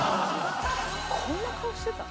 こんな顔してた？